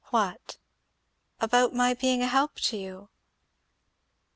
"What?" "About my being a help to you!"